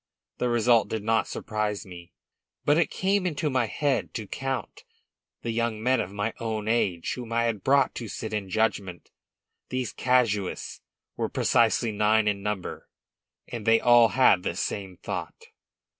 The result did not surprise me; but it came into my heard to count the young men of my own age whom I had brought to sit in judgment. These casuists were precisely nine in number; they all had the same thought.